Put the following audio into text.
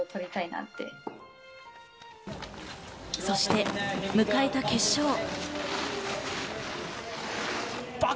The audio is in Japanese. そして迎えた決勝。